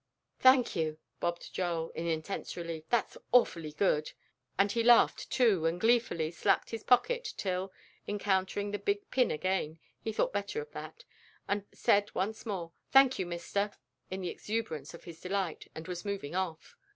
"Thank you!" bobbed Joel, in intense relief, "that's awfully good!" and he laughed, too, and gleefully slapped his pocket till, encountering the big pin again, he thought better of that, and said once more, "Thank you, mister," in the exuberance of his delight, and was moving off.